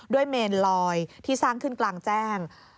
เมนลอยที่สร้างขึ้นกลางแจ้ง